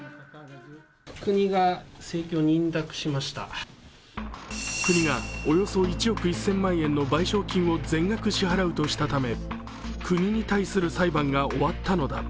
苦にがおよそ１億１０００万円の賠償金を全額支払うとしたため国に対する裁判が終わったのだ。